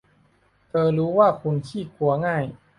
เธอรู้ว่าคุณขี้กลัวง่าย